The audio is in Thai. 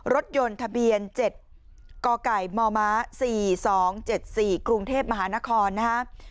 รถยนต์ทะเบียนเจ็ดกมสี่สองเจ็ดสี่กรุงเทพมหานครนะฮะ